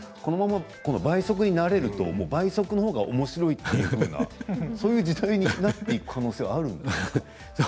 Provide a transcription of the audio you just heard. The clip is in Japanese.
倍速に慣れると倍速の方がおもしろいというふうなそういう時代になっていく可能性はあるんですか。